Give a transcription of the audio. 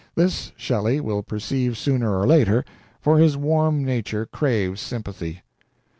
This, Shelley will perceive sooner or later, for his warm nature craves sympathy."